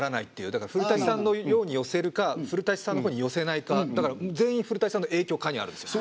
だから古さんのように寄せるか古さだから全員古さんの影響下にあるんですよ。